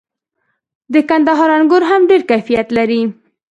د کندهار انګور هم ډیر کیفیت لري.